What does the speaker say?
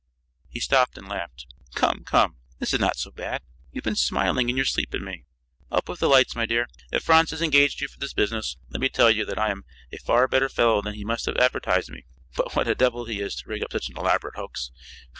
He stopped and laughed. "Come, come! This is not so bad. You have been smiling in your sleep at me. Up with the lights, my dear. If Franz has engaged you for this business, let me tell you that I'm a far better fellow than he must have advertised me. But what a devil he is to rig up such an elaborate hoax!